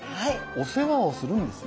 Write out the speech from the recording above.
お世話をするんですよ。